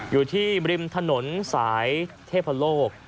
อยู่ที่ริมถนนสายเทพโลก